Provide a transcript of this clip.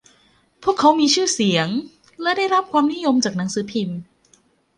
พวกเขามีชื่อเสียงและได้รับความนิยมจากหนังสือพิมพ์